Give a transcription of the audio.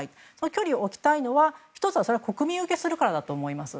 距離を置きたいのは１つは、国民受けするからだと思います。